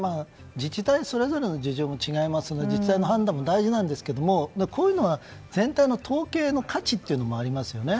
自治体それぞれで事情も違いますから自治体の判断も大事なんですけどこういうのは全体の統計の価値というのもありますよね。